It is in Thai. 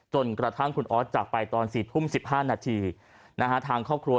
จนกระทั่งคุณออสจากไปตอน๔ทุ่ม๑๕นาทีนะฮะทางครอบครัว